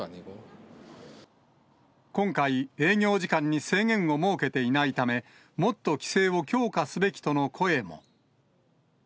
今回、営業時間に制限を設けていないため、もっと規制を強化すべきとの声も。